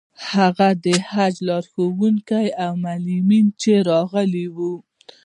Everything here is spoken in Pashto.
هغه د حج لارښوونکي او معلمین چې راغلي وو.